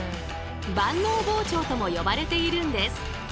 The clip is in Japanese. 万能包丁とも呼ばれているんです。